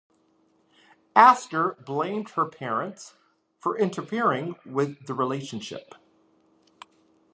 Astor blamed her parents for interfering with the relationship.